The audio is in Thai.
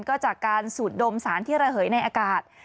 ก็จากการสูดดมสารที่ระเหยในอากาศ